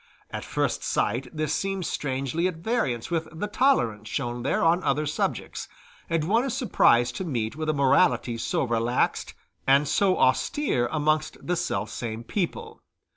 At first sight this seems strangely at variance with the tolerance shown there on other subjects, and one is surprised to meet with a morality so relaxed and so austere amongst the selfsame people.